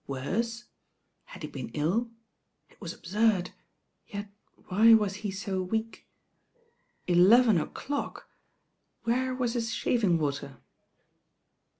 "Worse I" Had he been ill? It was absurd; yet why was he so weak? Eleven o'dockl Where has his shaving water?